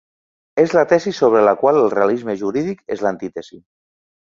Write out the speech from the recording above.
És la tesi sobre la qual el realisme jurídic és l'antítesi.